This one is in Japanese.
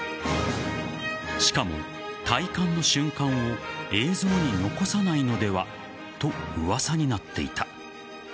しかも戴冠の瞬間を映像に残さないのではと噂になっていた。